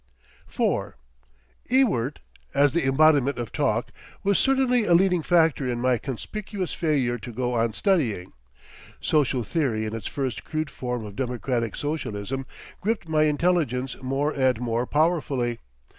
IV Ewart, as the embodiment of talk, was certainly a leading factor in my conspicuous failure to go on studying. Social theory in its first crude form of Democratic Socialism gripped my intelligence more and more powerfully.